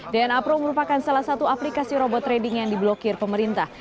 dna pro merupakan salah satu aplikasi robot trading yang diblokir pemerintah